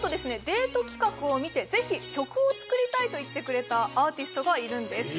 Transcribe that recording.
デート企画を見てぜひ曲を作りたいと言ってくれたアーティストがいるんです